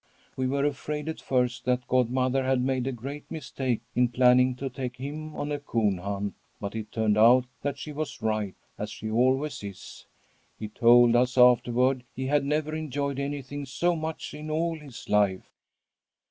We were afraid at first that godmother had made a great mistake in planning to take him on a coon hunt. But it turned out that she was right, as she always is. He told us afterward he had never enjoyed anything so much in all his life.